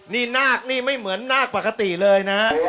นี่นาคนี่ไม่เหมือนนาคปกติเลยนะ